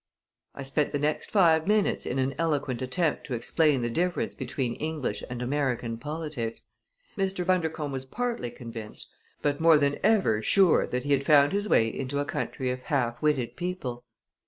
I spent the next five minutes in an eloquent attempt to explain the difference between English and American politics. Mr. Bundercombe was partly convinced, but more than ever sure that he had found his way into a country of half witted people.